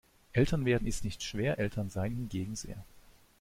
Eltern werden ist nicht schwer, Eltern sein hingegen sehr.